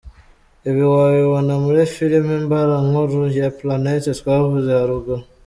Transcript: Ibi wabibona muri filime mbarankuru ya Planete twavuze haruguru.